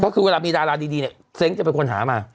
ก็คือเวลามีดาราดีเนี่ยเซ้งจะเป็นคนหามา